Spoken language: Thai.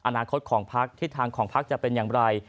อนาคตของพักทิศทางของพักจะเป็นอย่างไร